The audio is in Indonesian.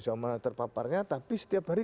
zaman terpaparnya tapi setiap hari